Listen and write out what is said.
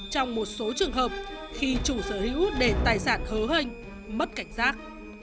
trong một số trường hợp khi chủ sở hữu để tài sản hớ hênh mất cảnh giác